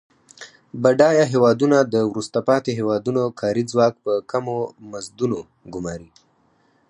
بډایه هیوادونه د وروسته پاتې هېوادونو کاري ځواک په کمو مزدونو ګوماري.